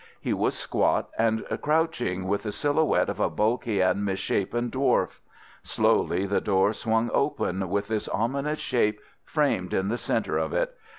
He was squat and crouching, with the silhouette of a bulky and misshapen dwarf. Slowly the door swung open with this ominous shape framed in the centre of it.